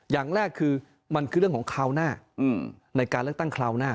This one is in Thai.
อย่างแรกคือมันคือเรื่องของคราวหน้าในการเลือกตั้งคราวหน้า